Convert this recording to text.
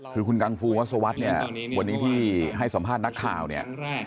คือคุณกังฟูวัศวรรษเนี่ยวันนี้ที่ให้สัมภาษณ์นักข่าวเนี่ย